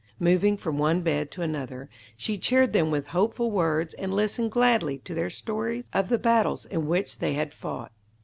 Moving from one bed to another, she cheered them with hopeful words, and listened gladly to their stories of the battles in which they had fought.